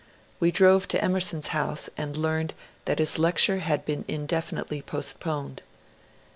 We drove to Emerson's house and learned that his lecture had been indefinitely postponed.